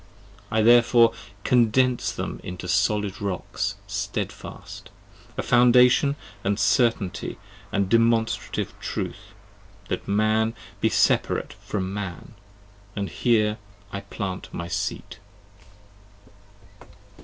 10 I therefore condense them into solid rocks, stedfast: A foundation and certainty and demonstrative truth: That Man be separate from Man, & here I plant my seat.